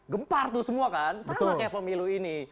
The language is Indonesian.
gempar tuh semua kan sama kayak pemilu ini